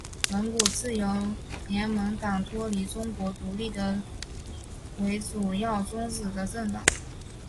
蒙古自由联盟党脱离中国独立为主要宗旨的政党。